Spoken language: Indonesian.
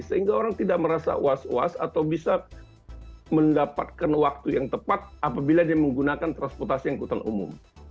sehingga orang tidak merasa was was atau bisa mendapatkan waktu yang tepat apabila dia menggunakan transportasi angkutan umum